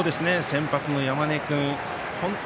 先発の山根君。